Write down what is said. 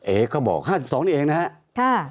เอ๋เขาบอกห้าสิบสองนี่เองนะฮะ